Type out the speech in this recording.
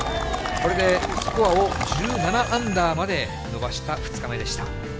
これでスコアを１７アンダーまで伸ばした２日目でした。